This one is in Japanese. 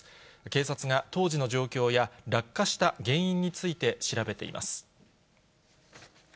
警察が当時の状況や落下した原因について調べています。